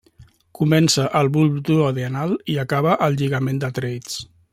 Comença al bulb duodenal i acaba al lligament de Treitz.